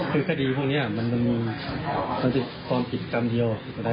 คือคดีพวกนี้มันติดความผิดกรรมเดียว